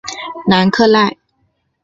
南克赖。